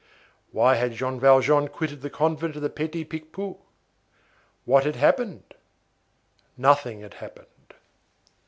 Why had Jean Valjean quitted the convent of the Petit Picpus? What had happened? Nothing had happened.